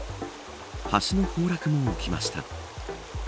橋の崩落も起きました。